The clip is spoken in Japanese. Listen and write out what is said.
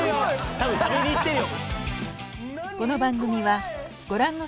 多分食べに行ってるよ